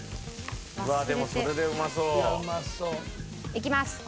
いきます。